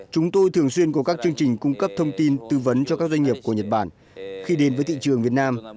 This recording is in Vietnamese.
chúng tôi thường xuyên có các chương trình cung cấp thông tin tư vấn cho các doanh nghiệp của nhật bản khi đến với thị trường việt nam